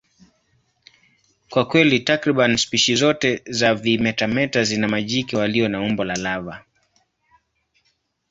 Kwa kweli, takriban spishi zote za vimetameta zina majike walio na umbo la lava.